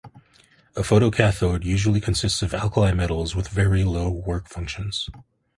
A photocathode usually consists of alkali metals with very low work functions.